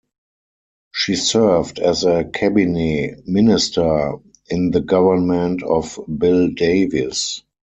She served as a cabinet minister in the government of Bill Davis.